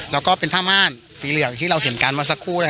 แล้วก็เป็นผ้าม่านสีเหลืองที่เราเห็นกันเมื่อสักครู่